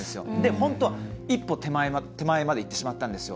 本当、一歩手前までいってしまったんですよ。